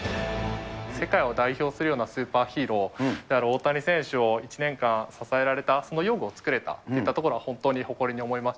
世界を代表するようなスーパーヒーローである大谷選手を、１年間支えられた、その用具を作れたといったところは、本当に誇りに思います。